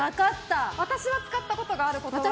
私は使ったことがある言葉です。